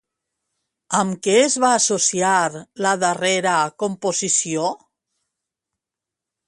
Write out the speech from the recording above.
Amb què es va associar la darrera composició?